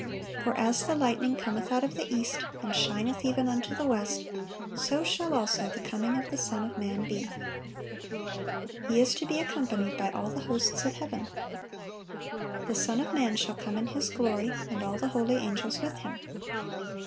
"For as the lightning cometh out of the east, and shineth even unto the west; so shall also the coming of the Son of man be."(524) He is to be accompanied by all the hosts of heaven. "The Son of man shall come in His glory, and all the holy angels with Him."